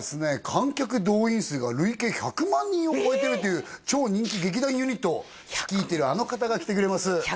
観客動員数が累計１００万人を超えてるという超人気劇団ユニットを率いてるあの方が来てくれます